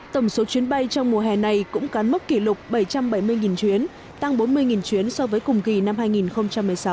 tổng số chuyến bay trong mùa hè này cũng cán mốc kỷ lục bảy trăm bảy mươi chuyến tăng bốn mươi chuyến so với cùng kỳ năm hai nghìn một mươi sáu